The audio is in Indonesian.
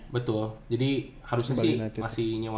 betul jadi harusnya sih masih nyawa